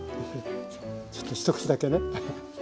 ちょっと一口だけね。